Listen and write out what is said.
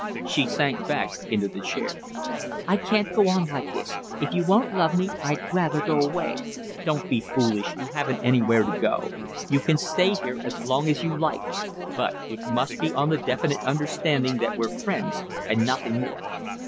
She sank back into the chair. "I can't go on like this. If you won't love me, I'd rather go away." "Don't be foolish, you haven't anywhere to go. You can stay here as long as you like, but it must be on the definite understanding that we're friends and nothing more."